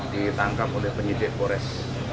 ditangkap oleh penyidik kores